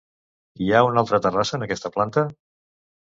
Hi ha una altra terrassa en aquesta planta.